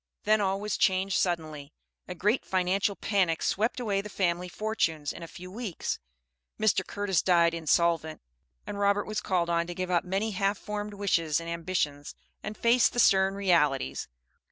Then all was changed suddenly; a great financial panic swept away the family fortunes in a few weeks. Mr. Curtis died insolvent, and Robert was called on to give up many half formed wishes and ambitions, and face the stern realities.